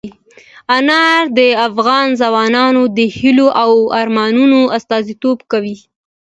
انار د افغان ځوانانو د هیلو او ارمانونو استازیتوب کوي.